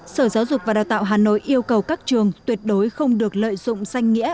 sở giáo dục và đào tạo hà nội yêu cầu các trường tuyệt đối không được lợi dụng danh nghĩa